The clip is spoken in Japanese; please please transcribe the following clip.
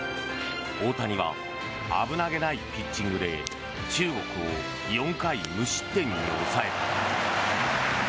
大谷は危なげないピッチングで中国を４回無失点に抑えた。